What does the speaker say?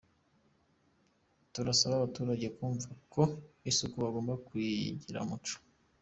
Turasaba abaturage kumva ko isuku bagomba kuyigira umuco.